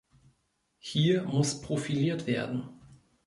Hier muss profiliert werden.